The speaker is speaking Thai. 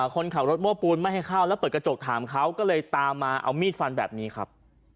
คนขับรถโม้ปูนไม่ให้เข้าแล้วเปิดกระจกถามเขาก็เลยตามมาเอามีดฟันแบบนี้ครับ